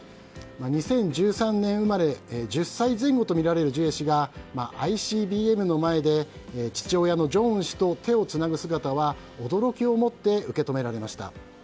２０１３年生まれ１０歳前後とみられるジュエ氏がＩＣＢＭの前で父親の正恩氏と手をつなぐ姿は驚きを持って受け止められました。